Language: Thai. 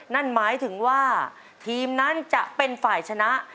นั่นหมายถึงว่าทีมนั้นจะเป็นฝ่ายชนะ